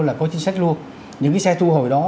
là có chính sách luôn những cái xe thu hồi đó